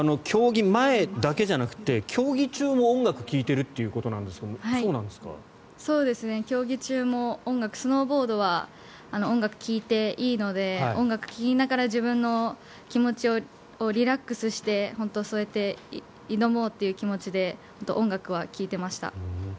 競技前だけじゃなくて競技中も音楽を聴いているということなんですが競技中もスノーボードは音楽を聴いていいので音楽を聴きながら自分の気持ちをリラックスしてそうやって挑もうという気持ちで音楽は聴いてました。